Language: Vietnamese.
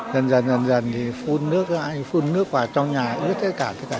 dần dần dần dần thì phun nước ra phun nước vào trong nhà ướt tất cả